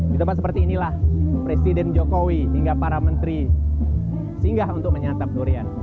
di tempat seperti inilah presiden jokowi hingga para menteri singgah untuk menyantap durian